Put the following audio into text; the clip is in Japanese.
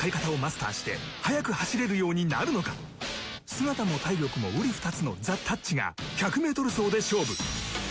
「姿も体力もうり二つのザ・たっちが１００ｍ走で勝負」